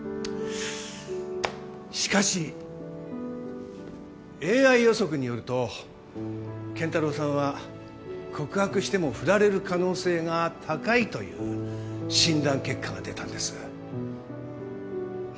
しかしＡＩ予測によると健太郎さんは告白してもフラれる可能性が高いという診断結果が出たんです。